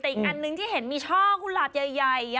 แต่อีกอันนึงที่เห็นมีช่อกุหลาบใหญ่